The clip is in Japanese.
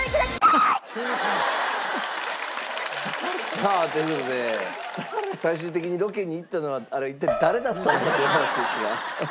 さあという事で最終的にロケに行ったのはあれ一体誰だったんだ？という話ですが。